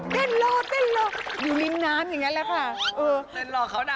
เต้นรออยู่นิ้มน้ำอย่างนั้นแหละค่ะ